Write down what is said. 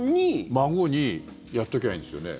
孫にやっとけばいいんですよね？